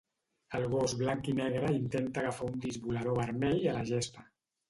El gos blanc i negre intenta agafar un disc volador vermell a la gespa.